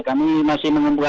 kami masih menemukan